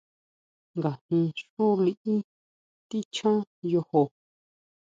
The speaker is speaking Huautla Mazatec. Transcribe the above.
¿Ngajin xú liʼí tichjan yojó?